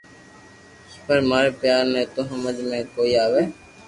پر ماري ٻيئر ني تو ھمج ۾ ڪوئي َآوي